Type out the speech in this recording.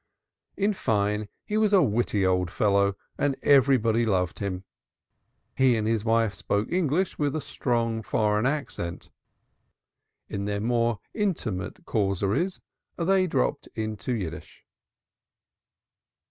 In fine, he was a witty old fellow and everybody loved him. He and his wife spoke English with a strong foreign accent; in their more intimate causeries they dropped into Yiddish.